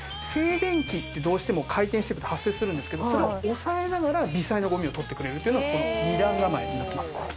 静電気ってどうしても回転してると発生するんですけどそれを抑えながら微細なゴミを取ってくれるという二段構えになってます。